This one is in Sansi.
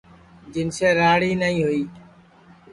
جنسے راڑ ہی نائی ہوئی